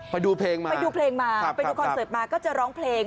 ไปดูเพลงมาไปดูเพลงมาไปดูคอนเสิร์ตมาก็จะร้องเพลง